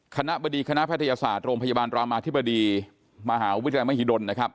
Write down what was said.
คณะบดีคณะแพทยศาสตร์โรงพยาบาลรามาธิบดีมหาวิทยาลัยมหิดลนะครับ